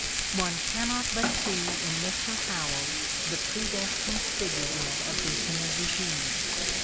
One cannot but see in Mr. Howells the predestined figurehead of this new regime.